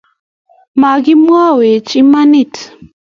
Makimwaiweche imanit